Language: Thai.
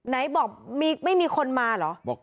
ไหนบอกไม่มีคนมาเหรอ